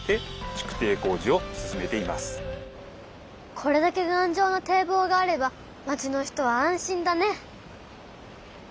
これだけがんじょうな堤防があれば町の人は安心だね！